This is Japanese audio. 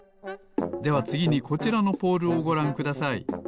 ではつぎにこちらのポールをごらんください。